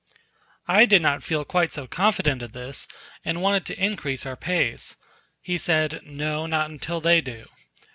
I did not feel quite so confident of this, and wanted to increase our pace. He said, "No, not until they do."